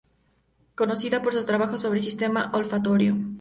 Conocida por sus trabajos sobre sistema olfatorio.